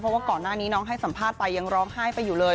เพราะว่าก่อนหน้านี้น้องให้สัมภาษณ์ไปยังร้องไห้ไปอยู่เลย